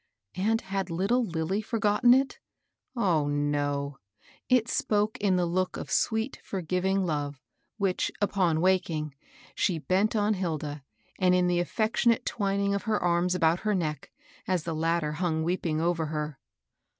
And had little Lilly forgotten it ? Oh, no I It spoke in the look of sweet forgiving love, which, upon waking, she bent on Hilda, and in the affec 78 MABEL ROSS. tionate twining of her anns about her neck, as the latter hung weeping over her.